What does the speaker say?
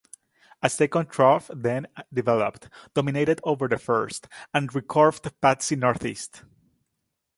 A second trough then developed, dominated over the first, and recurved Patsy northeast.